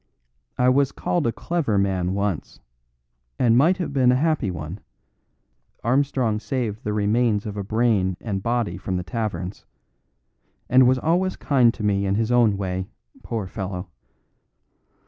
I was called a clever man once, and might have been a happy one; Armstrong saved the remains of a brain and body from the taverns, and was always kind to me in his own way, poor fellow!